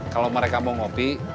kalau mereka mau ngopi